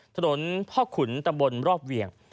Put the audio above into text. ถนนพ่อขุนตำบลรอบเหวี่ยง